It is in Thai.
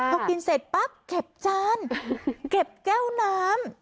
พอกินเสร็จปั๊บเก็บจานเก็บแก้วน้ำ